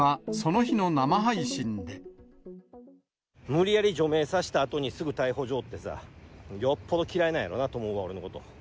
無理やり除名させたあとに、すぐ逮捕状ってさ、よっぽど嫌いなんやろうなと思うわ、俺のこと。